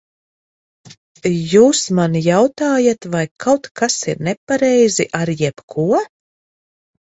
Jūs man jautājat, vai kaut kas ir nepareizi ar jebko?